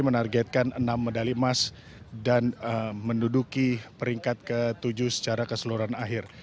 indonesia sendiri menargetkan enam emas dan menduduki peringkat ke tujuh secara keseluruhan akhir